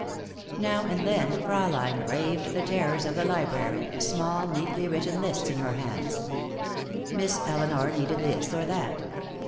Now and then Fraulein braved the terrors of the library, small neatly written lists in her hands. Miss Elinor needed this or that.